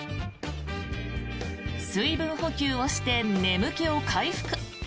水分補給をして眠気を回復。